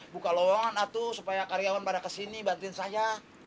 buka lawangan atuh supaya karyawan pada kesini bantuin saya